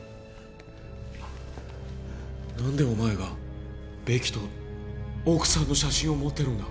何でお前がベキと奥さんの写真を持ってるんだ？